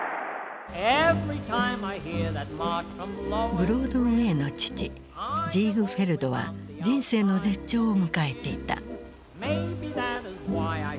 ブロードウェイの父ジーグフェルドは人生の絶頂を迎えていた。